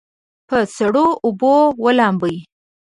په سړو اوبو ولامبئ.